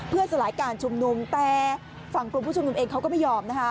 เพื่อสลายการชุมนุมแต่ฝั่งกลุ่มผู้ชุมนุมเองเขาก็ไม่ยอมนะคะ